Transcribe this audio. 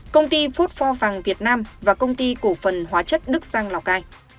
công ty phốt phò vàng việt nam và công ty cổ phần hóa chất đức giang lào cai